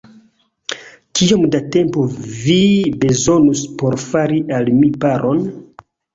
Kiom da tempo vi bezonus por fari al mi paron?